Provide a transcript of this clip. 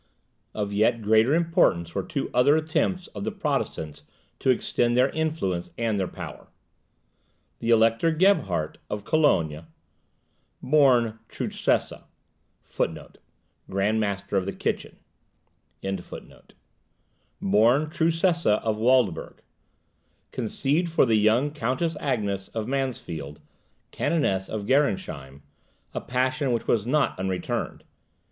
Of yet greater importance were two other attempts of the Protestants to extend their influence and their power. The Elector Gebhard, of Cologne, (born Truchsess [Grand master of the kitchen.] of Waldburg,) conceived for the young Countess Agnes, of Mansfield, Canoness of Gerresheim, a passion which was not unreturned.